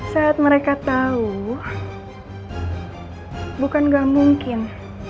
saat mereka tahu bukan gak mungkin